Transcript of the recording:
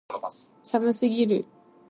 寒すぎる